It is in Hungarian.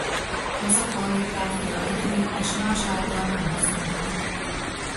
Ez a kalligráfia egyedi és más által nem használható.